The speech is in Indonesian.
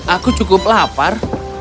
aku cukup lapar